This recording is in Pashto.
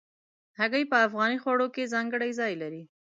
هګۍ په افغاني خوړو کې ځانګړی ځای لري.